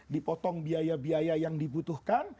dipotong biaya biaya yang dibutuhkan